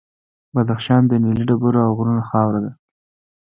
بدخشان د نیلي ډبرو او غرونو خاوره ده.